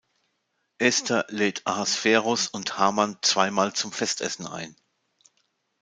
Ester lädt Ahasveros und Haman zweimal zum Festessen ein.